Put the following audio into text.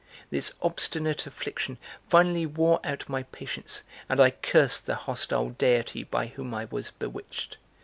This obstinate (affliction finally wore out my patience, and I cursed the hostile deity by whom I was bewitched.